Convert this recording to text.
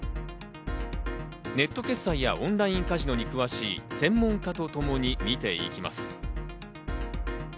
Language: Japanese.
ネット決済やオンラインカジノに詳しい専門家とともに見ていきます。